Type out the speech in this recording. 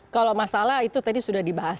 kalau masalah itu tadi sudah dibahas